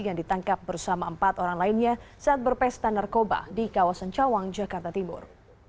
yang ditangkap bersama empat orang lainnya saat berpesta narkoba di kawasan cawang jakarta timur